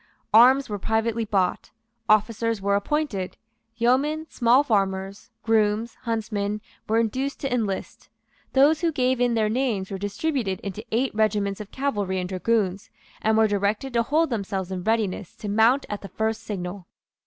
Arms were privately bought; officers were appointed; yeomen, small farmers, grooms, huntsmen, were induced to enlist. Those who gave in their names were distributed into eight regiments of cavalry and dragoons, and were directed to hold themselves in readiness to mount at the first signal.